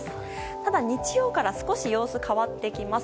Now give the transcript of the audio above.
ただ、日曜から少し様子が変わってきます。